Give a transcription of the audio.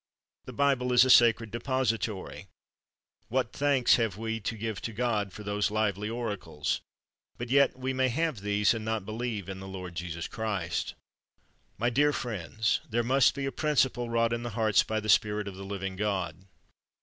The Bible is a sacred depository. What thanks have we to give to God for these lively oracles ! But yet we may have these and not believe in the Lord Jesus Christ. My dear friends, there must be a principle wrought in the heart by the Spirit of the living God.